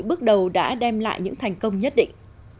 bước đầu đã đem lại những thành công nhất định